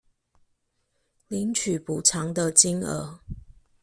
領取補償的金額